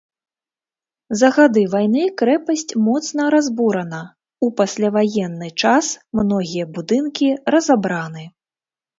За гады вайны крэпасць моцна разбурана, у пасляваенны час многія будынкі разабраны.